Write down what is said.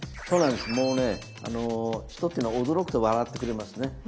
もうね人っていうのは驚くと笑ってくれますね。